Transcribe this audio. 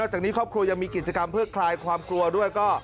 จากนี้ครอบครัวยังมีกิจกรรมเพื่อคลายความกลัวด้วยก็